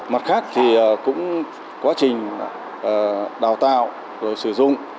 mặt khác thì cũng quá trình đào tạo rồi sử dụng